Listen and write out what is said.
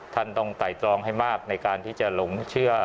ท่านต้องไต่ตรองให้มากในการที่จะหลงเชื่อ